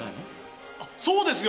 あっそうですよ。